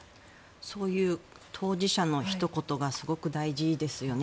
そういう当事者のひと言がすごく大事ですよね。